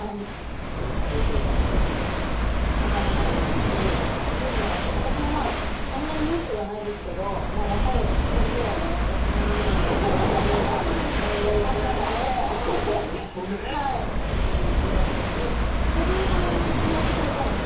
どんな交際を重ねていくんですかお金ないですしでも私もそんなに裕福ではないですけど若い男１人ぐらいは養えるぐらいのお姉さん頼れるお姉さん腕１本でね一緒にいた時にキャディーさんをやってくれたんですよ